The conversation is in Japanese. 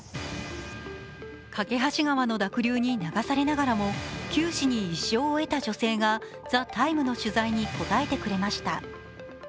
梯川橋の濁流に流されながらも、九死に一生を得た女性が「ＴＨＥＴＩＭＥ，」の取材に答えてくれました。